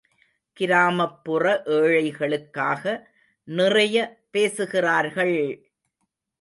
கிராமப்புற ஏழைகளுக்காக நிறைய பேசுகிறார்கள்!